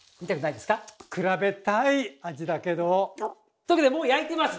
というわけでもう焼いてます！